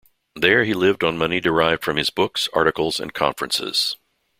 There he lived on money derived from his books, articles and conferences.